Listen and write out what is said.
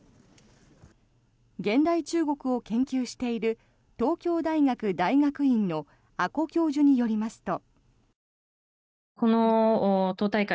現代中国を研究している東京大学大学院の阿古教授によりますと。